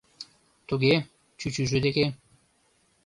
— Туге, чӱчӱжӧ деке.